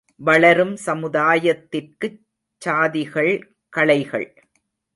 வளரும் சமுதாயத்திற்குச் சாதிகள் களைகள்.